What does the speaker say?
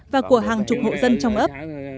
và của hàng chục hộ dân trong ấp